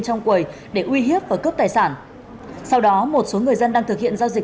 trong quầy để uy hiếp và cướp tài sản sau đó một số người dân đang thực hiện giao dịch